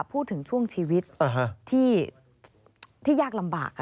พูดถึงช่วงชีวิตที่ยากลำบาก